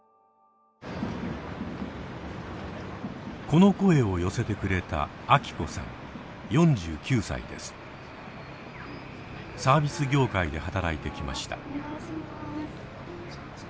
この声を寄せてくれたサービス業界で働いてきました。